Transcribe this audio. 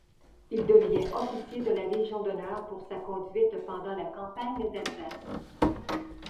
Il devient officier de la Légion d'honneur pour sa conduite pendant la campagne d'Alsace.